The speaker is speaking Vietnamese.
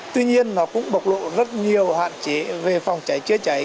tuy nhiên nó cũng bộc lộ rất nhiều hạn chế về phòng cháy chữa cháy